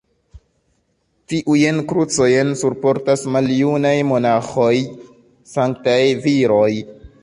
Tiujn krucojn surportas maljunaj monaĥoj, sanktaj viroj.